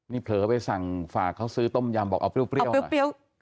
นี่เผลอไปสั่งฝากเขาซื้อต้มยำบอกเอาเปรี้ยวเปรี้ยว